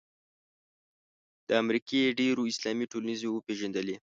د امریکې ډېرو اسلامي ټولنو وپېژندلې.